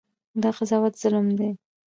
دا قضاوت ظلم دی.